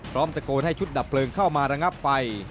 ตะโกนให้ชุดดับเพลิงเข้ามาระงับไฟ